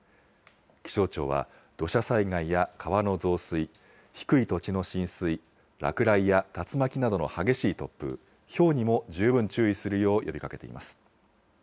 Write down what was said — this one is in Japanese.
気象庁は、土砂災害や川の増水、低い土地の浸水、落雷や竜巻などの激しい突風、ひょうにも十分注意するよう呼びかけています。